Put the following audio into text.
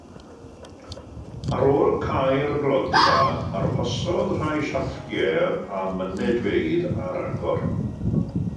Ar ôl cau'r gloddfa, arhosodd rhai siafftiau a mynedfeydd ar agor.